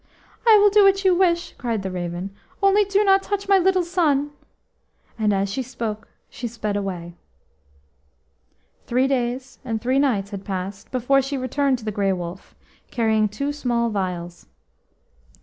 "I will do what you wish," cried the raven, "only do not touch my little son." And as she spoke she sped away. Three days and three nights had passed before she returned to the Grey Wolf, carrying two small vials.